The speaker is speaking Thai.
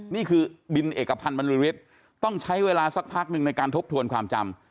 นี่คือบินเอกพันธ์บรรลือฤทธิ์ต้องใช้เวลาสักพักหนึ่งในการทบทวนความจำ